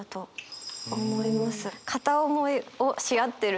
片思いをし合ってる。